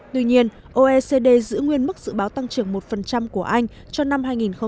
tuy nhiên oecd giữ nguyên mức dự báo tăng trưởng một của anh cho năm hai nghìn hai mươi